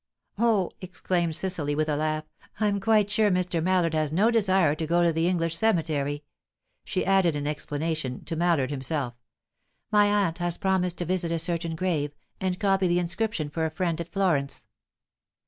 "Oh!" exclaimed Cecily, with a laugh, "I'm quite sure Mr. Mallard has no desire to go to the English cemetery." She added in explanation, to Mallard himself, "My aunt has promised to visit a certain grave, and copy the inscription for a friend at Florence."